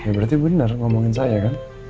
ya berarti bener ngomongin saya kan